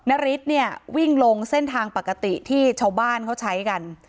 ฤทธิ์เนี่ยวิ่งลงเส้นทางปกติที่ชาวบ้านเขาใช้กัน